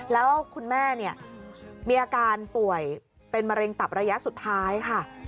แล้วคุณแม่มีอาการป่วยเป็นมะเร็งตับระยะสุดท้ายค่ะ